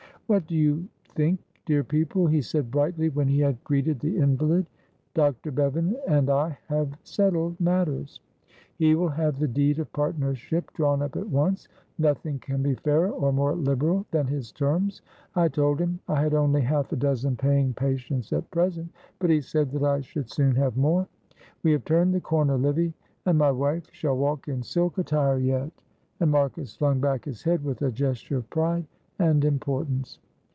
"What do you think, dear people," he said, brightly, when he had greeted the invalid. "Dr. Bevan and I have settled matters; he will have the deed of partnership drawn up at once. Nothing can be fairer or more liberal than his terms. I told him I had only half a dozen paying patients at present, but he said that I should soon have more. We have turned the corner, Livy, and my wife shall walk in silk attire yet," and Marcus flung back his head with a gesture of pride and importance.